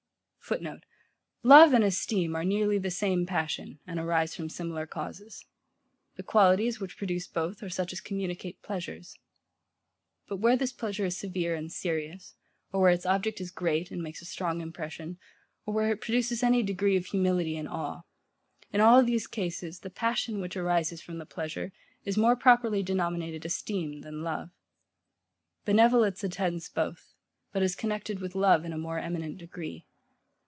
[Footnote: Love and esteem are nearly the same passion, and arise from similar causes. The qualities, which produce both, are such as communicate pleasures. But where this pleasure is severe and serious; or where its object is great, and makes a strong impression, or where it produces any degree of humility and awe; in all these cases, the passion, which arises from the pleasure, is more properly denominated esteem than love. Benevolence attends both; but is connected with love in a more eminent degree.